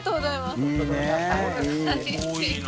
すごいな。